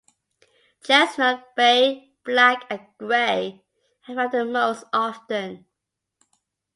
Chestnut, bay, black, and gray are found the most often.